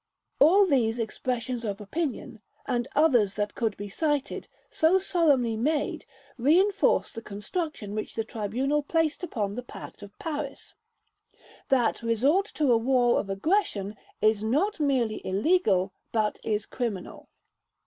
All these expressions of opinion, and others that could be cited, so solemnly made, reinforce the construction which the Tribunal placed upon the Pact of Paris, that resort to a war of aggression is not merely illegal, but is criminal.